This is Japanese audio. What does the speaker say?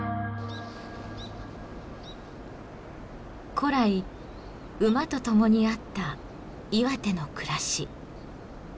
古来馬と共にあった岩手の暮らし。